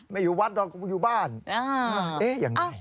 ไม่อยู่วัดหรอกอยู่บ้านเอ๊ะอย่างไร